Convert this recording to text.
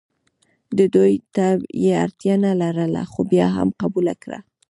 د دوی ډوډۍ ته یې اړتیا نه لرله خو بیا یې هم قبوله کړه.